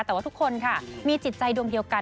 แต่ว่าทุกคนค่ะมีจิตใจดวงเดียวกัน